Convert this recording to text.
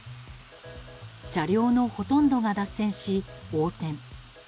車両のほとんどが脱線し、横転。